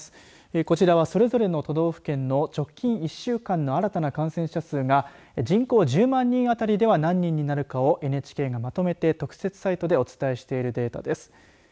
こちらは、それぞれの都道府県の直近１週間の新たな感染者数が人口１０万人あたりでは何人になるかをＮＨＫがまとめて特設サイトでお伝えしているデータです。